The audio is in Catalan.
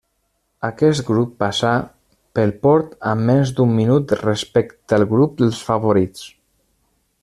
Aquest grup passà pel port amb més d'un minut respecte al grup dels favorits.